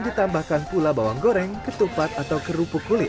ditambahkan pula bawang goreng ketupat atau kerupuk kulit